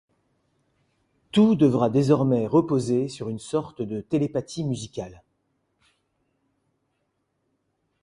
Tout devra désormais reposer sur une sorte de télépathie musicale.